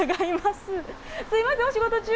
すみません、お仕事中。